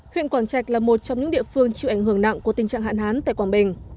huyện quảng trạch là một trong những địa phương chịu ảnh hưởng nặng của tình trạng hạn hán tại quảng bình